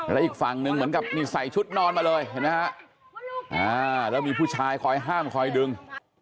และอีกฝั่งหนึ่งเหมือนกับมีใส่ชุดนอนมาเลยเห็นไหมฮะแล้วมีผู้ชายคอยห้ามคอยดึง